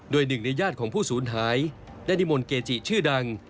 โดยหนึ่งในญาติของผู้สูญหายได้นิมนต์เกจิชื่อดัง